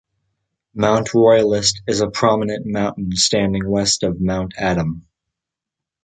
Mount Royalist is a prominent mountain standing west of Mount Adam.